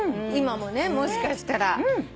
今もねもしかしたら。